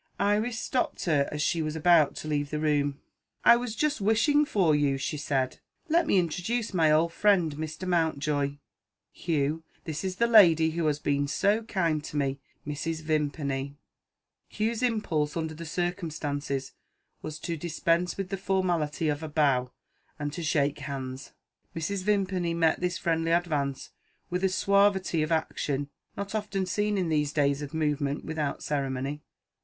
Iris stopped her as she was about to leave the room. "I was just wishing for you," she said. "Let me introduce my old friend, Mr. Mountjoy. Hugh, this is the lady who has been so kind to me Mrs. Vimpany." Hugh's impulse, under the circumstances, was to dispense with the formality of a bow, and to shake hands. Mrs. Vimpany met this friendly advance with a suavity of action, not often seen in these days of movement without ceremony.